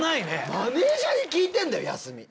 マネージャーに聞いてんだよ休み。